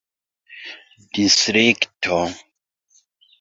distrikto